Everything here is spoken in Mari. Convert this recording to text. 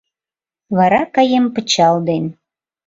Вара каем пычал ден.